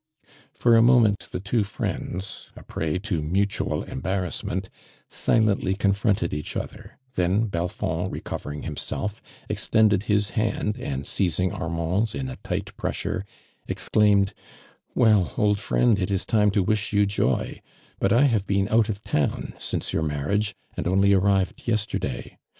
For a moment the two friends, a prey to mutual embarrassment, silently confronted each other, then Belfond recovering himself, extended his hand and seizing Armand' 8 in a tight pressure, cxclained, *' Well, old friend, it is time to wish you joy, but 1 have been out of town since your marriage, and only arrived yesterday.